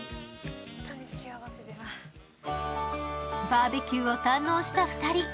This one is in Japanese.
バーベキューを堪能した２人。